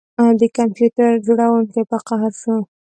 د کمپیوټر جوړونکي په قهر شو